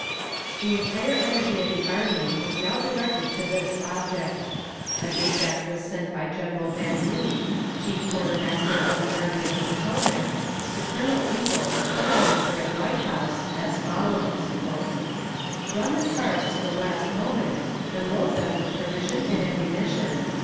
The entire energy of the army was now directed to this object. A despatch was sent by General Van Vliet, chief quartermaster of the Army of the Potomac, to Colonel Ingalls, quartermaster at White House, as follows: "Run the cars to the last moment, and load them with provision and ammunition.